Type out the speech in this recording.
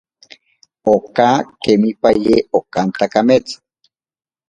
Oka kemipaye okanta kametsa.